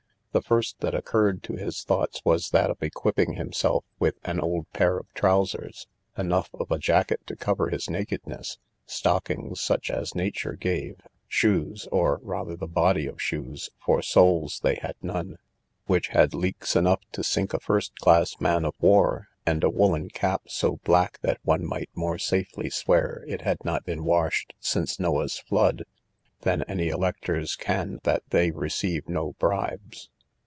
The first that occurred to his thoughts was that of equipping himself with an old pair of trowsers, enough of a jacket to cover his nakedness, stockings such as nature gave, shoes (or rather the body of shoes, for soles they had none) which had leaks enough to sink a first rate man of war, and a woollen cap, so black that one might more safely swear it had not been washed since Noah's flood, than any electors can that they receive no bribes.